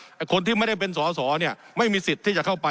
แต่คนที่ไม่ได้เป็นสอสอเนี่ยไม่มีสิทธิ์ที่จะเข้าไป